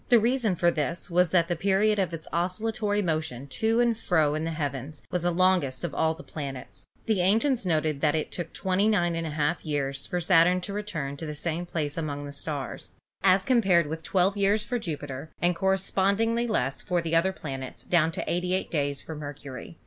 The reason for this was that the period of its oscillatory motion to and fro in the heavens was longest of all of the planets. The ancients noted that it took 293^ years for Saturn to return to the same place among the stars, as compared with 12 years for Jupiter,, and correspondingly less for the other planets down to 88 days for Mercury.